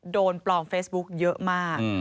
โดนปลอมเฟซบุ๊กเยอะมาก